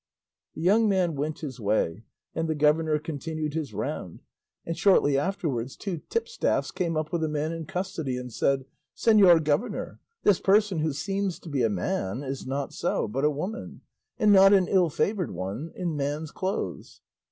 The young man went his way, and the governor continued his round, and shortly afterwards two tipstaffs came up with a man in custody, and said, "Señor governor, this person, who seems to be a man, is not so, but a woman, and not an ill favoured one, in man's clothes."